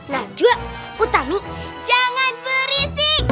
nah jua utami jangan berisik